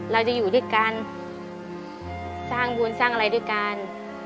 เราจะอยู่ด้วยกันสร้างบุญสร้างอะไรด้วยกัน